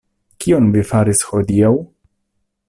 Kion vi faris hodiaŭ?